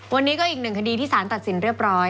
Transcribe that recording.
วันนี้ก็อีกหนึ่งคดีที่สารตัดสินเรียบร้อย